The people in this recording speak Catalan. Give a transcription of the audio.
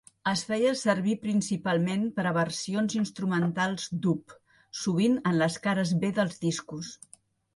Es feia servir principalment per a versions instrumentals dub, sovint en les cares B dels discos.